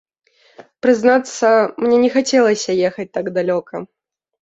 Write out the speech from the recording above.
Прызнацца мне не хацелася ехаць так далёка.